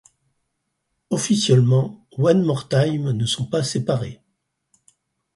Officiellement, One More Time ne sont pas séparés.